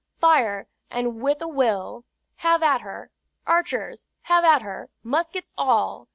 "Fire, and with a will! Have at her archers, have at her, muskets all!"